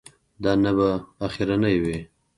دا نه به اخرنی وي.